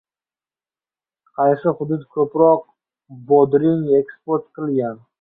Qaysi hudud ko‘proq bodring eksport qilgan